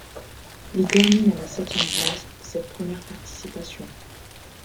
Il termine à la septième place cette première participation.